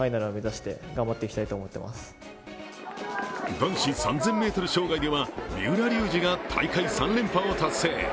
男子３０００ｍ障害では三浦龍司が大会３連覇を達成。